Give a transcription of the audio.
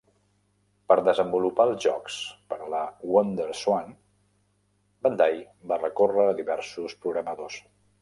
Per desenvolupar els jocs per a la WonderSwan, Bandai va recórrer a diversos programadors.